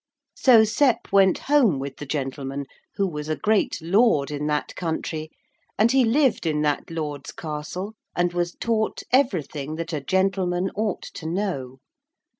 So Sep went home with the gentleman, who was a great lord in that country, and he lived in that lord's castle and was taught everything that a gentleman ought to know.